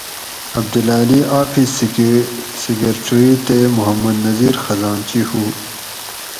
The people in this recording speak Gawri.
عبدالعلی آفس سیکرٹری تے محمد نذیر خزانچی ہُو